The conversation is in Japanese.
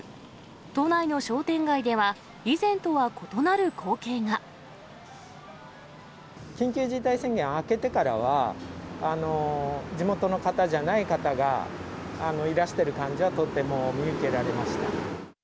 都内の商店街では、緊急事態宣言明けてからは、地元の方じゃない方がいらしてる感じはとっても見受けられました。